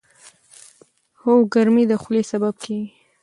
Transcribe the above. هو، ګرمي د خولې سبب کېږي.